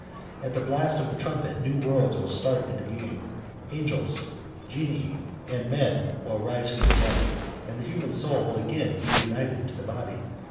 At the blast of the trumpet, new worlds will start into being: angels, genii, and men will arise from the dead, and the human soul will again be united to the body.